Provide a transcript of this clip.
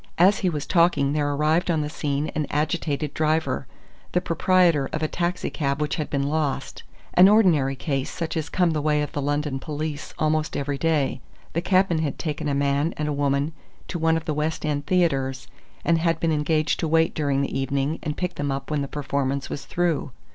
As he was talking there arrived on the scene an agitated driver, the proprietor of a taxicab which had been lost. An ordinary case such as come the way of the London police almost every day. The cabman had taken a man and a woman to one of the West End theatres, and had been engaged to wait during the evening and pick them up when the performance was through.